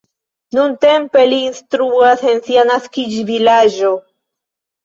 Nuntempe li instruas en sia naskiĝvilaĝo.